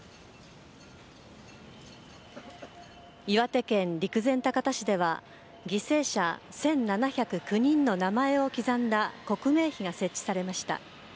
岩手県陸前高田市では犠牲者１７０９人の名前を刻んだ刻銘碑が設置されました。